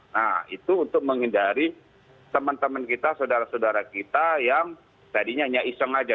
nah itu untuk menghindari teman teman kita saudara saudara kita yang tadinya hanya iseng aja